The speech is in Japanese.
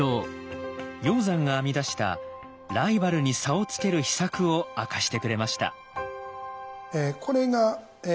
鷹山が編み出した「ライバルに差をつける秘策」を明かしてくれました。